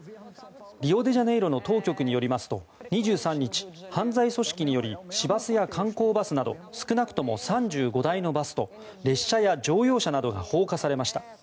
リオデジャネイロの当局によりますと２３日、犯罪組織により市バスや観光バスなど少なくとも３５台のバスと列車や乗用車などが放火されました。